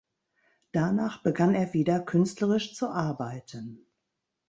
Danach begann er wieder künstlerisch zu arbeiten.